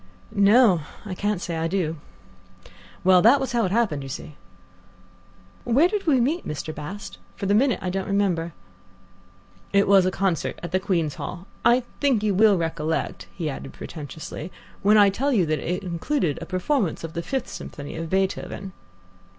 "No; I can't say I do." "Well, that was how it happened, you see." "Where did we meet, Mr. Bast? For the minute I don't remember." "It was a concert at the Queen's Hall. I think you will recollect," he added pretentiously, "when I tell you that it included a performance of the Fifth Symphony of Beethoven."